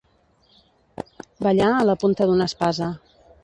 Ballar a la punta d'una espasa.